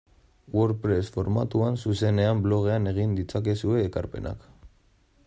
WordPress formatuan zuzenean blogean egin ditzakezue ekarpenak.